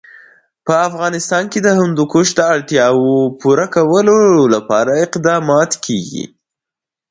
په افغانستان کې د هندوکش د اړتیاوو پوره کولو لپاره اقدامات کېږي.